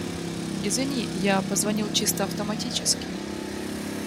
Извини, я позвонила чисто автоматически.